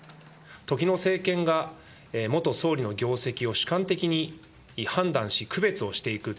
時の政権が元総理の業績を主観的に判断し、区別をしていく。